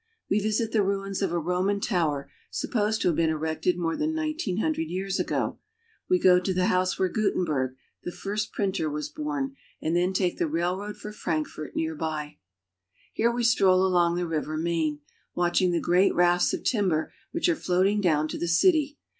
We visit the ruins of a Roman tower, supposed to have been erected more than nineteen hundred years ago. We go to the house where Gutenberg, the first printer, was born, and then take the railroad for Frankfurt near by. Jewish Quarter, Frankfurt. Here we stroll along the river Main, watching the great rafts of timber which are floating down to the city.